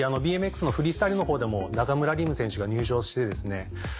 ＢＭＸのフリースタイルのほうでも中村輪夢選手が入賞してですね。